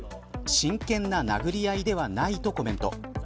真剣な殴り合いではないとコメント。